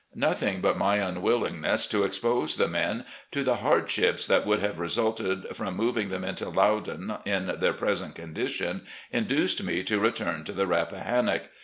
Nothing but my unwillingness to expose the men to the hardships that would have resulted 104 RECOLLECTIONS OF GENERAL LEE from moving them into Loudoun in their present con dition induced me to return to the Rappahannock.